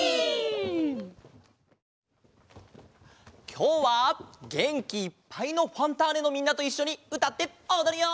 きょうはげんきいっぱいの「ファンターネ！」のみんなといっしょにうたっておどるよ！